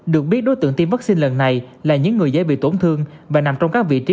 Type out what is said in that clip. được biết đối tượng tiêm vaccine lần này là những người dễ bị tổn thương và nằm trong các vị trí